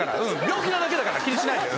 病気なだけだから気にしないで。